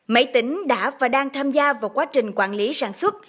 máy tính đã và đang tham gia vào quá trình quản lý sản xuất